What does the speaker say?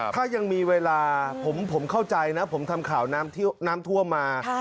ถ้ายังมีเวลาผมเข้าใจนะผมทำข่าวน้ำท่วมมา